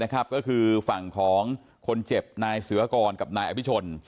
ทหารพวกเจ็บนายเสือากรกับนายอภิชน